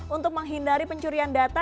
untuk menghindari pencurian data